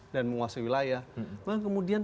dan menguasai wilayah kemudian